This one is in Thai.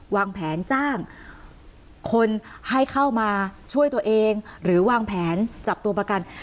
วางแผนจ้างคนให้เข้ามาช่วยตัวเองหรือวางแผนจับตัวประกัน